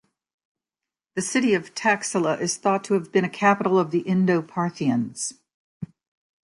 The city of Taxila is thought to have been a capital of the Indo-Parthians.